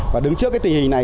và đứng trước cái tình hình này